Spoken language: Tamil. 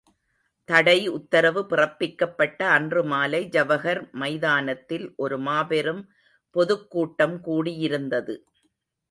தடை உத்தரவு பிறப்பிக்கப்பட்ட அன்று மாலை ஜவஹர் மைதானத்தில் ஒரு மாபெரும் பொதுக் கூட்டம் கூடியிருந்தது.